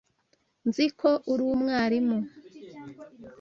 Nzi ko uri umwarimu.